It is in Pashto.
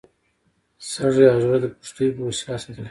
سږي او زړه د پښتیو په وسیله ساتل کېږي.